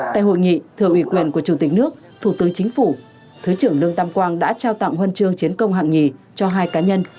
tại hội nghị thừa ủy quyền của chủ tịch nước thủ tướng chính phủ thứ trưởng lương tam quang đã trao tặng huân chương chiến công hạng nhì cho hai cá nhân